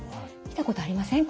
見たことありません